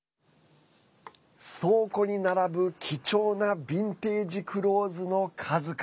倉庫に並ぶ貴重なビンテージクローズの数々。